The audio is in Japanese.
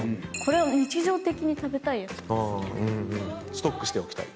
ストックしておきたい？